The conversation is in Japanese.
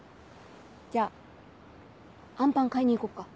じゃああんパン買いに行こっか。